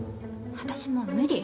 私もう無理。